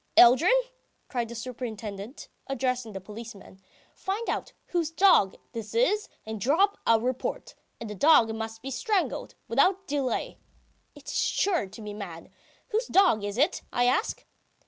... Yeldyrin," cries the superintendent, addressing the policeman, "find out whose dog this is and draw up a report! And the dog must be strangled. Without delay! It's sure to be mad. ... Whose dog is it, I ask?"